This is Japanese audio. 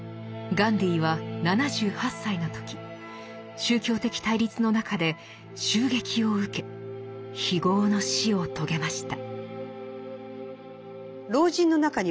ガンディーは７８歳の時宗教的対立の中で襲撃を受け非業の死を遂げました。